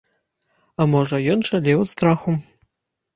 А можа ён шалеў ад страху.